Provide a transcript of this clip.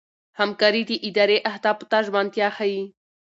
همکاري د ادارې اهدافو ته ژمنتیا ښيي.